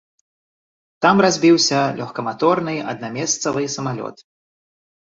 Там разбіўся лёгкаматорны аднамесцавы самалёт.